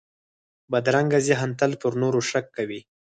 بدرنګه ذهن تل پر نورو شک کوي